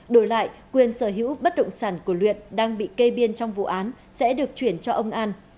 đổi lại quyền sở hữu bất động sản của luyện đang bị kê biên trong vụ án sẽ được chuyển cho ông an